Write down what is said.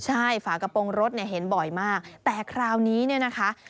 ใช่ฝากระโปรงรถเนี่ยเห็นบ่อยมากแต่คราวนี้เนี่ยนะคะ